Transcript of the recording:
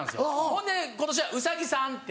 ほんで今年は「ウサギさん」って。